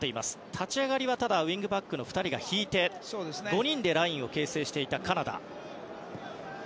立ち上がりはウィングバックの２人が少し引いて５人でラインを形成していたカナダ。